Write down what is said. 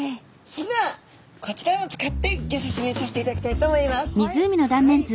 それではこちらを使ってギョ説明させていただきたいと思います。